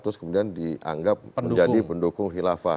terus kemudian dianggap menjadi pendukung khilafah